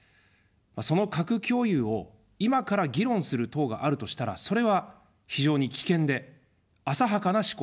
その核共有を今から議論する党があるとしたら、それは非常に危険で、浅はかな思考だと思います。